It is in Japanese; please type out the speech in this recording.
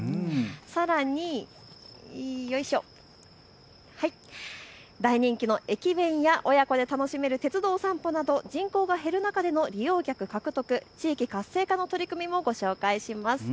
さらに大人気の駅弁や親子で楽しめる鉄道散歩など人口が減る中での利用客獲得、地域活性化の取り組みもご紹介します。